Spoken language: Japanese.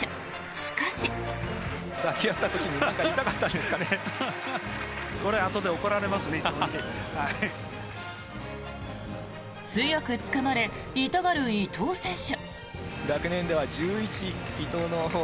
しかし。強くつかまれ痛がる伊藤選手。